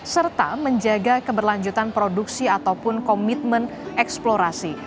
serta menjaga keberlanjutan produksi ataupun komitmen eksplorasi